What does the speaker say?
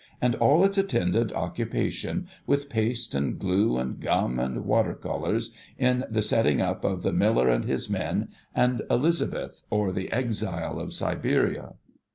— and all its attendant occupation with paste and glue, and gum, and water colours, in the getting up of The Miller and his Men, and Elizabeth, or the Exile of Siberia.